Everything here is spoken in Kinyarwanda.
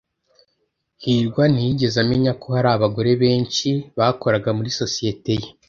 hirwa ntiyigeze amenya ko hari abagore benshi bakoraga muri sosiyete ye.